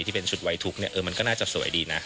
ที่เป็นชุดไวทุกข์มันก็น่าจะสวยดีนะ